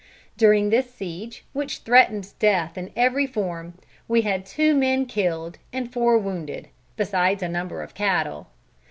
"During this siege, which threatened death in every form, we had two men killed and four wounded, besides a number of cattle.